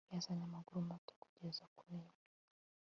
yazanye amaguru mato kugeza ku minwa